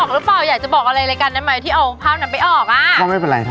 แล้วก็เอาไปใช้ไหม